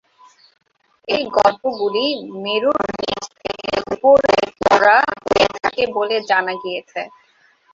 এই গল্পগুলি মেরুর নীচ থেকে উপরে পড়া হয়ে থাকে বলে জানা গিয়েছে।